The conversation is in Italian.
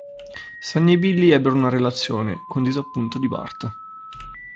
Sunny e Billy ebbero una relazione, con disappunto di Bart.